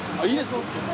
いいです？